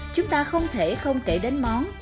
chúng ta không thể không kể đến món